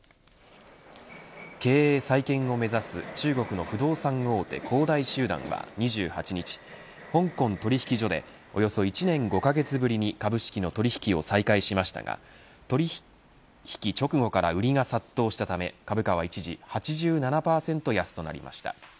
経営再建を目指す中国の不動産大手、恒大集団は２８日、香港取引所でおよそ１年５カ月ぶりに株式の取引を再開しましたが取引直後から売りが殺到したため株価は一時８７％安となりました。